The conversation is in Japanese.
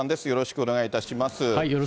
よろよろしくお願いいたします。